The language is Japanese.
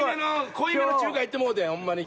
濃い目の中華いってもうてんホンマに。